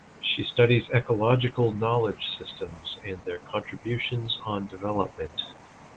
She studies ecological knowledge systems and their contributions on development.